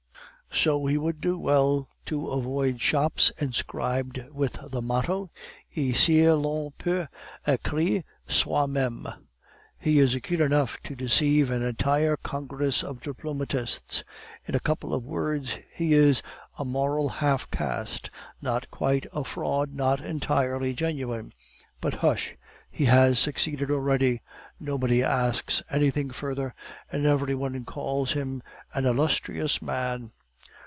So he would do well to avoid shops inscribed with the motto, "Ici l'on peut ecrire soi meme." He is acute enough to deceive an entire congress of diplomatists. In a couple of words, he is a moral half caste, not quite a fraud, nor entirely genuine. But, hush! he has succeeded already; nobody asks anything further, and every one calls him an illustrious man.